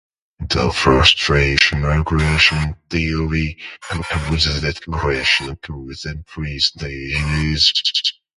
The frustration-aggression theory proposes that aggression occurs in three stages.